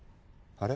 あれ？